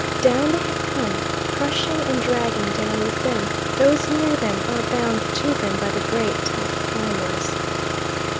Down they had come, crushing and dragging down with them those near them or bound to them by the great tough climbers.